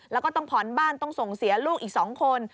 แล้วก็ต้องผ่อนบ้านต้องส่งเสียลูกอีก๒คน